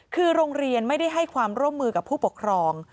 คือโรงเรียนไม่ได้ให้ความร่วมมือกับผู้ปกครอง